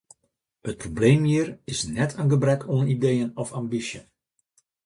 It probleem hjir is net in gebrek oan ideeën of ambysje.